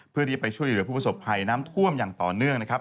เพื่อที่ไปช่วยเหลือผู้ประสบภัยน้ำท่วมอย่างต่อเนื่องนะครับ